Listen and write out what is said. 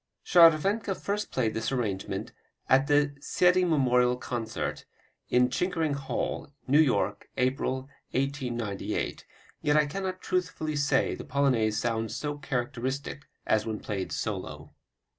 Scharwenka first played this arrangement at a Seidl memorial concert, in Chickering Hall, New York, April, 1898. Yet I cannot truthfully say the Polonaise sounds so characteristic as when played solo.